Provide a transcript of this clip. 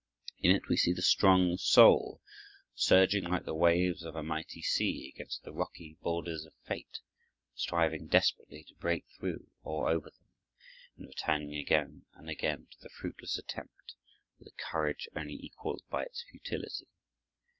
In it we see the strong soul, surging like the waves of a mighty sea against the rocky borders of fate, striving desperately to break through or over them, and returning again and again to the fruitless attempt, with a courage only equaled by its futility.